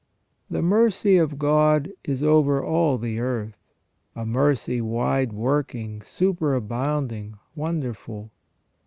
"The mercy of God is over all the earth" — a mercy wide working, superabounding, wonderful.